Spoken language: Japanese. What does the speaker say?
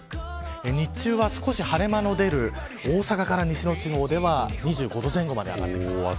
日中は少し晴れ間の出る大阪から西の地方では２５度前後まで上がってくる。